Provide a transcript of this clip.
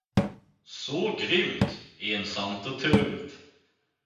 Så grymt, ensamt och tungt.